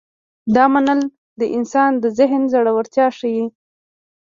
دا منل د انسان د ذهن زړورتیا ښيي.